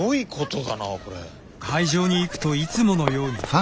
会場に行くといつものように。